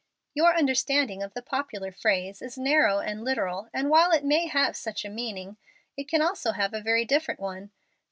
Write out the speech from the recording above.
"Your understanding of the popular phrase is narrow and literal, and while it may have such a meaning, it can also have a very different one.